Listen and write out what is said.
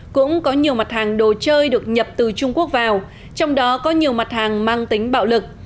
cũng có nhiều mặt hàng đồ chơi được nhập từ trung quốc vào trong đó có nhiều mặt hàng mang tính bạo lực